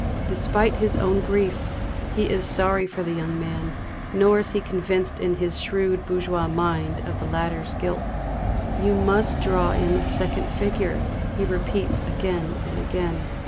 Despite his own grief, he is sorry for the young man; nor is he convinced in his shrewd bourgeois mind of the latter's guilt. "You must draw in the second figure," he repeats again and again.